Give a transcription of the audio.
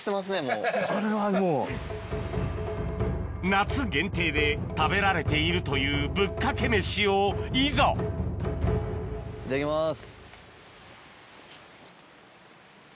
夏限定で食べられているというぶっかけメシをいざいただきます。